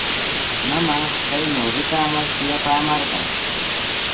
Mamaa kaynaw rikamar kuyapaamarqan.